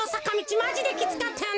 マジできつかったよな。